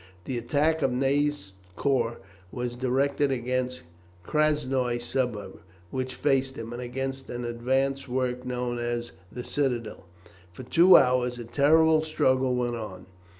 The attack of Ney's corps was directed against the Krasnoi suburb, which faced them, and against an advanced work known as the citadel. For two hours a terrible struggle went on.